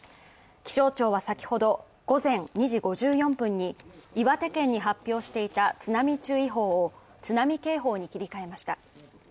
気象庁は先ほど午前２時５４分に岩手県に発表していた津波注意報を津波警報に切り替えました。